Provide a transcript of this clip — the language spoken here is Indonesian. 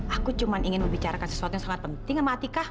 aku cuma ingin membicarakan sesuatu yang sangat penting sama atikah